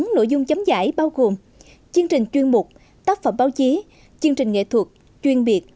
bốn nội dung chấm giải bao gồm chương trình chuyên mục tác phẩm báo chí chương trình nghệ thuật chuyên biệt